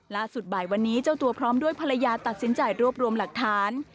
ล่าสุดบ่ายวันนี้เจ้าตัวพร้อมด้วยภรรยาตัดสินใจรวบรวมหลักฐาน